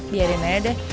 biarin aja deh